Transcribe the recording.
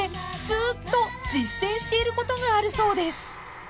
ずっと実践していることがあるそうです］